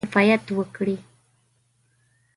کفایت وکړي.